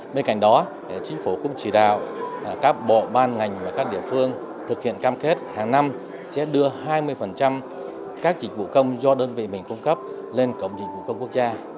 bên cạnh đó chính phủ cũng chỉ đạo các bộ ban ngành và các địa phương thực hiện cam kết hàng năm sẽ đưa hai mươi các dịch vụ công do đơn vị mình cung cấp lên cổng dịch vụ công quốc gia